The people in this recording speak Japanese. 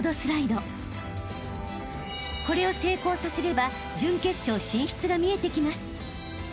［これを成功させれば準決勝進出が見えてきます］